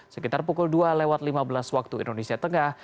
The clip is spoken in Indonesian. sekitar pukul dua lewat lima belas waktu indonesia tengah